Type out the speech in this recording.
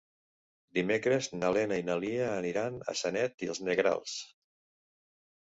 Dimecres na Lena i na Lia aniran a Sanet i els Negrals.